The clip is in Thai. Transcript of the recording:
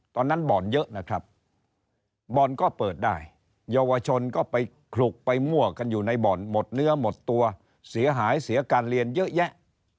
บ่อนเยอะนะครับบ่อนก็เปิดได้เยาวชนก็ไปขลุกไปมั่วกันอยู่ในบ่อนหมดเนื้อหมดตัวเสียหายเสียการเรียนเยอะแยะ